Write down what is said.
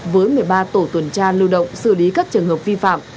với một mươi ba tổ tuần tra lưu động xử lý các trường hợp vi phạm